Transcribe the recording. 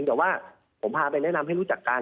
แต่ว่าผมพาไปแนะนำให้รู้จักกัน